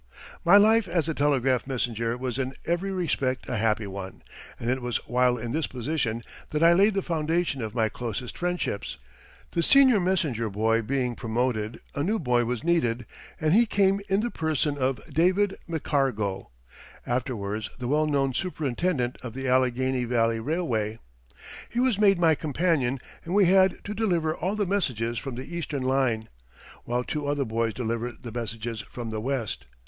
] My life as a telegraph messenger was in every respect a happy one, and it was while in this position that I laid the foundation of my closest friendships. The senior messenger boy being promoted, a new boy was needed, and he came in the person of David McCargo, afterwards the well known superintendent of the Allegheny Valley Railway. He was made my companion and we had to deliver all the messages from the Eastern line, while two other boys delivered the messages from the West.